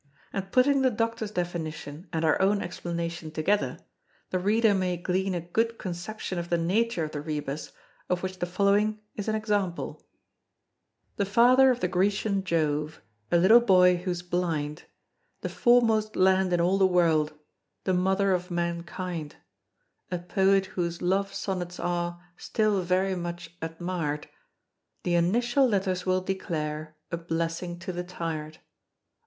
And putting the Doctor's definition and our own explanation together, the reader may glean a good conception of the nature of the Rebus of which the following is an example: The father of the Grecian Jove; A little boy who's blind; The foremost land in all the world; The mother of mankind; A poet whose love sonnets are Still very much admired; The initial letters will declare A blessing to the tired.